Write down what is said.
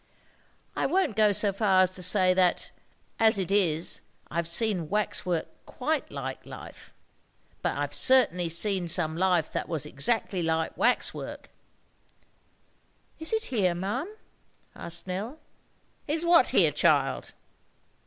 I won't go so far as to say that, as it is, I've seen wax work quite like life, but I've certainly seen some life that was exactly like wax work." "Is it here, ma'am?" asked Nell. "Is what here, child?"